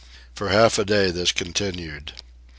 For half a day this continued.